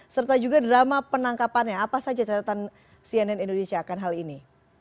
serta juga drama penangkapannya apa saja catatan cnn indonesia akan hal ini